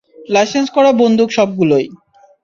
Licence করা বন্দুক সবগুলোই।